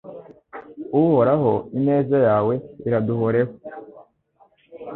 Uhoraho ineza yawe iraduhoreho